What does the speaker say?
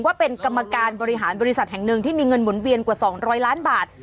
ว่าเป็นกรรมการบริหารบริษัทแห่งหนึ่งที่มีเงินหมุนเวียนกว่า๒๐๐ล้านบาท